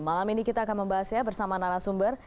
malam ini kita akan membahas ya bersama narasumber